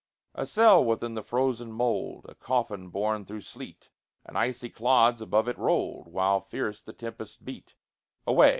A cell within the frozen mold, A coffin borne through sleet, And icy clods above it rolled, While fierce the tempests beat Away!